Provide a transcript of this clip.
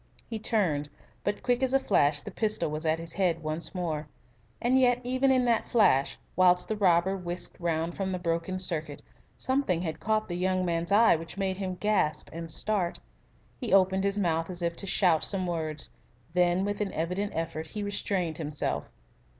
He turned, but quick as a flash the pistol was at his head once more. And yet even in that flash, whilst the robber whisked round from the broken circuit, something had caught the young man's eye which made him gasp and start. He opened his mouth as if about to shout some words. Then with an evident effort he restrained himself.